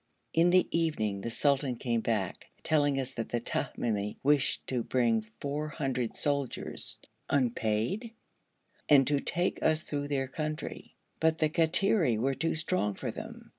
In the evening the sultan came back, telling us that the Tamimi wished to bring 400 soldiers unpaid (?) and to take us through their country, but the Kattiri were too strong for them.